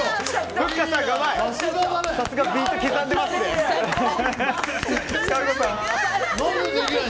ふっかさん、うまい！